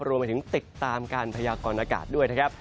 รวมไปถึงติดตามการพยากรณากาศด้วยนะครับ